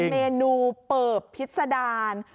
เมนูเปิบพิษดาร